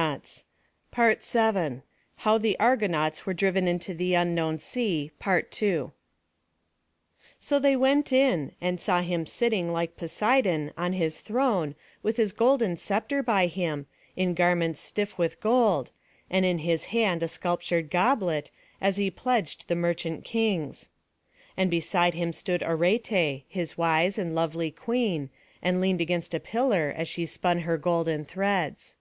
Such noble gifts the heavens had given to Alcinous the wise. So they went in, and saw him sitting, like Poseidon, on his throne, with his golden sceptre by him, in garments stiff with gold, and in his hand a sculptured goblet, as he pledged the merchant kings; and beside him stood Arete, his wise and lovely queen, and leaned against a pillar, as she spun her golden threads.